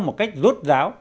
một cách rốt ráo